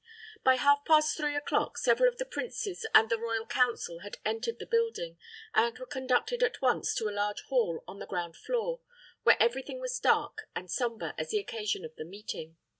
By half past three o'clock, several of the princes and the Royal Council had entered the building, and were conducted at once to a large hall on the ground floor, where every thing was dark and sombre as the occasion of the meeting.